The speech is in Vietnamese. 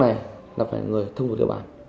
đối tượng này là người thân vụ tư bản